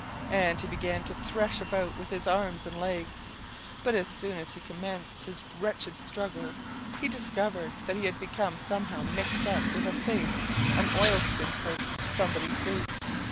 And he began to thresh about with his arms and legs. But as soon as he commenced his wretched struggles he discovered that he had become somehow mixed up with a face, an oilskin coat, somebody's boots.